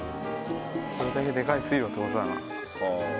それだけでかい水路って事だな。